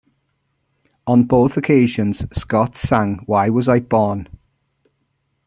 On both occasions, Scott sang "Why Was I Born?".